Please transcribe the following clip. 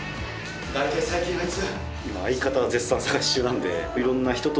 大体最近のあいつ。